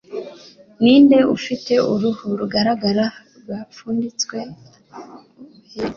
Ninde ufite uruhu rugaragara rwapfunditswe o'er